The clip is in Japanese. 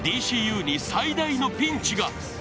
ＤＣＵに最大のピンチが。